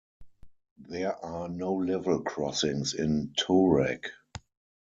There are no level crossings in Toorak.